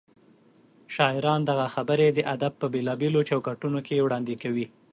شاعران دغه خبرې د ادب په بېلابېلو چوکاټونو کې وړاندې کوي.